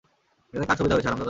এতে কার সুবিধা হয়েছে, হারামজাদা?